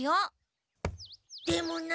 でもな。